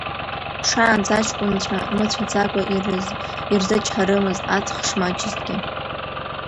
Шаанӡа аҷкәынцәа мыцәаӡакәа ирзычҳарымызт, аҵх шмаҷызгьы.